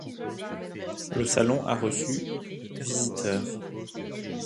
Le salon a reçu visiteurs.